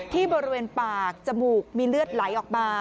ที่บริเวณปากจมูกมีเลือดไหลออกมา